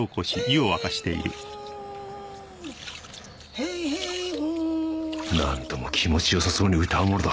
ヘイヘイホーなんとも気持ちよさそうに歌うものだ